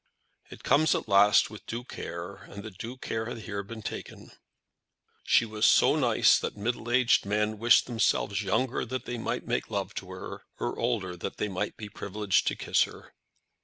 It comes at last with due care, and the due care had here been taken. She was so nice that middle aged men wished themselves younger that they might make love to her, or older that they might be privileged to kiss her.